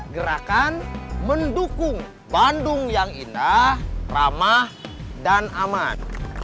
gerakan mendukung bandung yang indah ramah dan aman